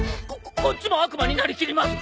ここっちも悪魔になりきります！